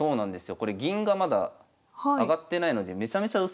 これ銀がまだ上がってないのでめちゃめちゃ薄いんですよね。